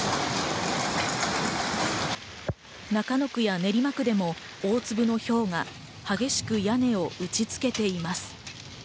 中野区や練馬区でも大粒のひょうが激しく屋根を打ち付けています。